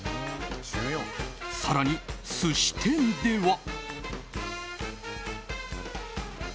更に寿司店では。